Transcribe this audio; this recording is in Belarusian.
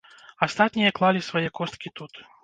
Астатнія клалі свае косткі тут.